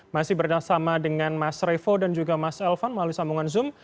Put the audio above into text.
masih bersama dengan mas revo dan juga mas elvan melalui sambungan zoom